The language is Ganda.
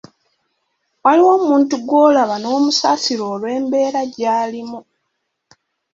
Waliwo omuntu gw’olaba n’omusasira olw’embeera gy’alimu.